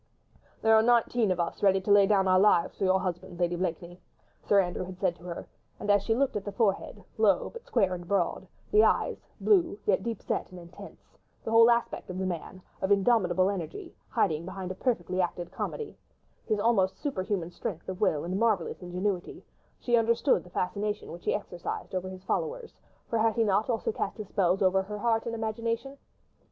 "There are nineteen of us ready to lay down our lives for your husband, Lady Blakeney," Sir Andrew had said to her; and as she looked at the forehead, low, but square and broad, the eyes, blue, yet deep set and intense, the whole aspect of the man, of indomitable energy, hiding, behind a perfectly acted comedy, his almost superhuman strength of will and marvellous ingenuity, she understood the fascination which he exercised over his followers, for had he not also cast his spells over her heart and her imagination?